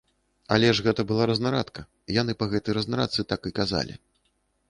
Але ж гэта была разнарадка, яны па гэтай разнарадцы так і казалі.